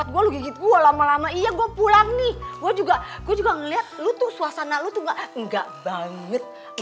gue juga gue juga ngeliat lu tuh suasana lu tuh enggak banget